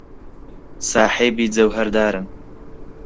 ساحێبی جەوهەردارن.